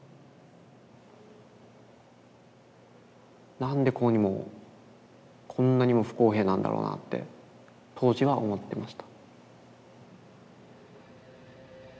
何でこうにもこんなにも不公平なんだろうなって当時は思ってました。